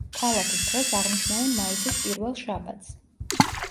ქალაქის დღეს აღნიშნავენ მაისის პირველ შაბათს.